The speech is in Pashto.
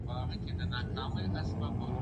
زه به کالي مينځلي وي!.